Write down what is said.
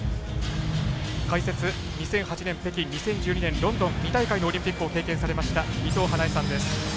解説、２００８年、北京２０１２年ロンドン２大会のオリンピックを経験されました伊藤華英さんです。